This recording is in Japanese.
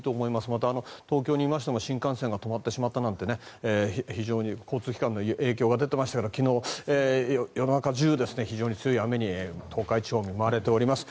また、東京にいましても新幹線が止まってしまったなど非常に交通機関への影響が出ていましたが昨日、夜中、非常に強い雨に東海地方は見舞われています。